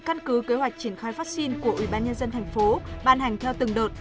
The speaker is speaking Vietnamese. căn cứ kế hoạch triển khai vaccine của ủy ban nhân dân tp bàn hành theo từng đợt